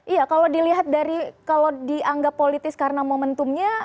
iya kalau dilihat dari kalau dianggap politis karena momentumnya